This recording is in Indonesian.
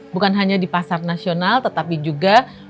bukan hanya di pasar nasional tetapi juga di dalam global value chain